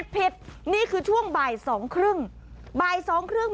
ผิดนี่คือช่วงบ่ายสองครึ่ง